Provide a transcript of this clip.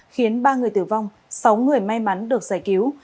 khiến ba người tử vong sáu người may mắn được giải cứu